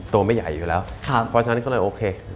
ตัวไม่ใหญ่อยู่แล้วเพราะฉะนั้นก็เลยโอเค